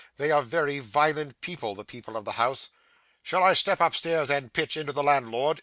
They are very violent people, the people of the house.' 'Shall I step upstairs, and pitch into the landlord?